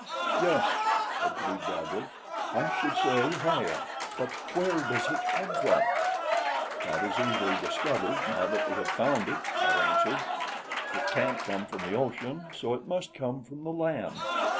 "Yes," agreed Bradley, "I should say higher; but where does it come from?" "That is easily discovered now that we have found it," I answered. "It can't come from the ocean; so it must come from the land.